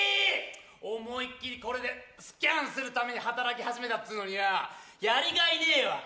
思い切りこれでスキャンするために働き始めたっつうのによぉ、やりがいねえわ。